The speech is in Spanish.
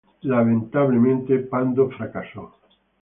Lamentablemente, Pando fracasó.